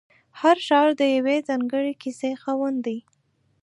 هر ښار د یوې ځانګړې کیسې خاوند دی.